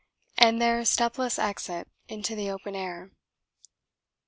and their stepless exit into the open air.